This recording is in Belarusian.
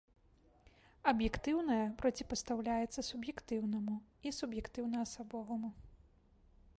Аб'ектыўнае проціпастаўляецца суб'ектыўнаму і суб'ектыўна-асабоваму.